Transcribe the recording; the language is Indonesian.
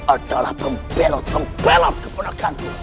adalah pempelot pempelot kepenakanku